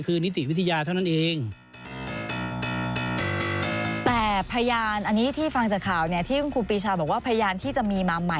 คือเขารับฟังแต่กลองออกอีกทีละนะ